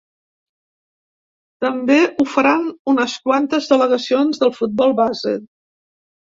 També ho faran unes quantes delegacions del futbol base.